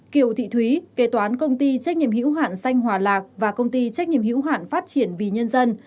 sáu kiều thị thúy kê toán công ty trách nhiệm hiếu hạn xanh hòa lạc và công ty trách nhiệm hiếu hạn phát triển vì nhân dân